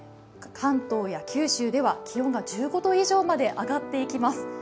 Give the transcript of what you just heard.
関東や九州では気温が１５度以上まで上がっていきます。